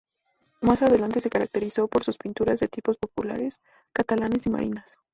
Más adelante, se caracterizó por sus pinturas de tipos populares catalanes y marinas.